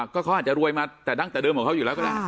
ก็เขาอาจจะรวยมาแต่ตั้งแต่เดิมของเขาอยู่แล้วก็ได้